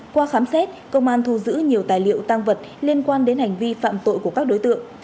qua khám xét công an thu giữ nhiều tài liệu tăng vật liên quan đến hành vi phạm tội của các đối tượng